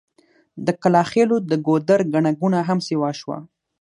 د کلاخېلو د ګودر ګڼه ګوڼه هم سيوا شوه.